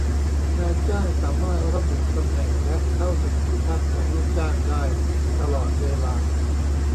นายจ้างสามารถระบุตำแหน่งและเข้าถึงที่พักของลูกจ้างได้ตลอดเวลา